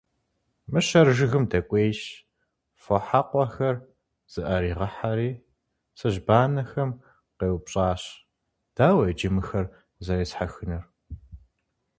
Мыщэр жыгым дэкӀуейщ, фо хьэкӀуэхэр зыӀэригъэхьэри, цыжьбанэхэм къеупщӀащ: - Дауэ иджы мыхэр къызэресхьэхынур?